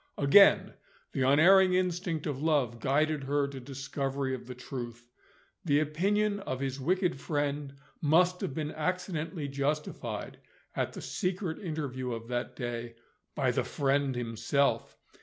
Again, the unerring instinct of love guided her to discovery of the truth. The opinion of his wicked friend must have been accidentally justified, at the secret interview of that day, by the friend himself!